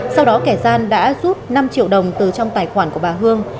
sau đó kẻ gian đã rút năm triệu đồng từ trong tài khoản của bà hương